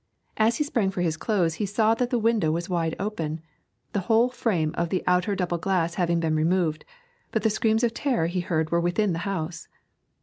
As he sprang for his clothes he saw that the window was wide open, the whole frame of the outer double glass having been removed, but the screams of terror he heard were within the house.